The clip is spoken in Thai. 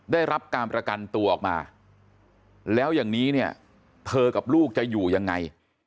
ได้รับการประกันตัวออกมาแล้วอย่างนี้เนี่ยเธอกับลูกจะอยู่ยังไง